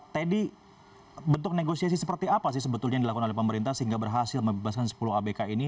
teddy bentuk negosiasi seperti apa sih sebetulnya yang dilakukan oleh pemerintah sehingga berhasil membebaskan sepuluh abk ini